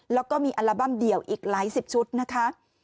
แล้วก็มีอัลบั้มเดี่ยวอีกหลายสิบชุดนะคะ